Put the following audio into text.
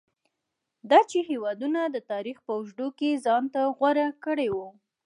دا چې هېوادونو د تاریخ په اوږدو کې ځان ته غوره کړي وو.